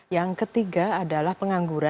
yang ketiga adalah pengangguran